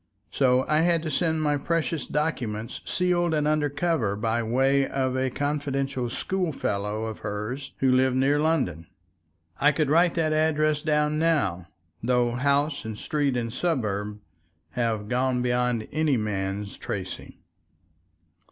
So I had to send my precious documents sealed and under cover by way of a confidential schoolfellow of hers who lived near London. ... I could write that address down now, though house and street and suburb have gone beyond any man's tracing.